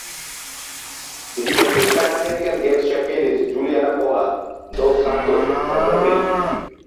The defending Pan American Games champion is Juliana Paula dos Santos from Brazil.